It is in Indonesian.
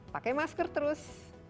pakai masker terus